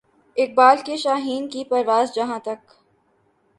اقبال کے شاھین کی پرواز جہاں تک